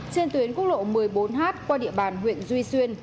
trên tuyến quốc lộ một mươi bốn h qua địa bàn huyện duy xuyên